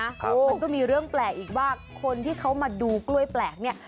มันก็มีเรื่องแปลกอีกว่าคนที่เขามาดูกล้วยแปลกเนี่ย